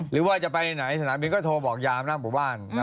หรือว่าจะไปไหนสนามบินก็โทรบอกยามหน้าหมู่บ้าน